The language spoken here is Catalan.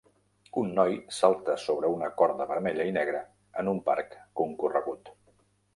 Un noi salta sobre una corda vermella i negra en un parc concorregut.